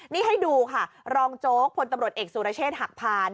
นี่ให้ดูค่ะรองโจ๊กพลตำรวจเอกสุรเชษฐ์หักพาน